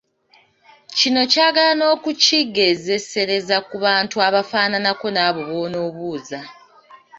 Kino kyagala n’okukigezesereza ku bantu abafaananako n’abo b’onoobuuza.